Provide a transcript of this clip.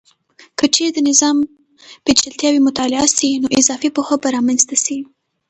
که چیرې د نظام پیچلتیاوې مطالعه سي، نو اضافي پوهه به رامنځته سي.